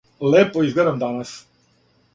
Лепо изгледам данас.